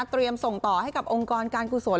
ส่งต่อให้กับองค์กรการกุศล